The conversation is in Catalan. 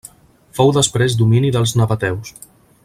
Fou després domini dels nabateus.